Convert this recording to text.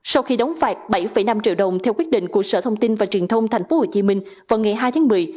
sau khi đóng phạt bảy năm triệu đồng theo quyết định của sở thông tin và truyền thông tp hcm vào ngày hai tháng một mươi